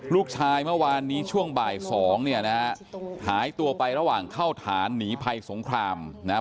เมื่อวานนี้ช่วงบ่ายสองเนี่ยนะฮะหายตัวไประหว่างเข้าฐานหนีภัยสงครามนะครับ